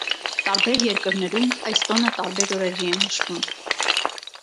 Տարբեր երկրներում այս տոնը տարբեր օրերի է նշվում։